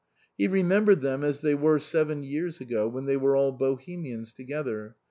He remembered them as they were seven years ago, when they were all Bohemians together.